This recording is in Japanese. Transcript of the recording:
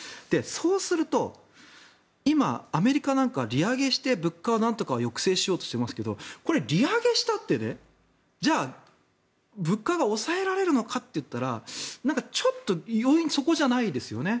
そうすると、今アメリカなんかは利上げして物価をなんとか抑制しようとしていますがこれ、利上げしたってじゃあ、物価が抑えられるのかといったらちょっと要因はそこじゃないですよね。